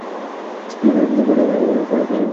মনে হয় এক বিলিয়ন বার।